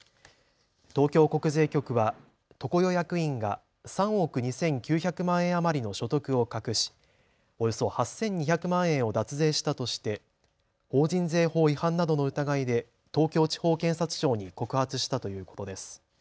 東京国税局は常世役員が３億２９００万円余りの所得を隠しおよそ８２００万円を脱税したとして法人税法違反などの疑いで東京地方検察庁に告発したということです。